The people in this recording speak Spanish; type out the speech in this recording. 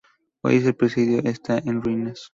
Hoy el presidio está en ruinas.